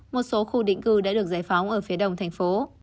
một số khu định cư đã được giải phóng ở phía đông thành phố